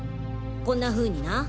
こんなふうにな。